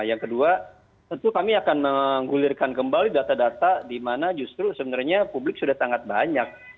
yang kedua tentu kami akan menggulirkan kembali data data di mana justru sebenarnya publik sudah sangat banyak